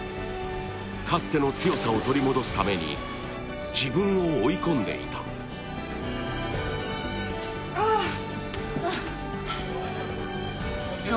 かつての強さを取り戻すために自分を追い込んでいたいや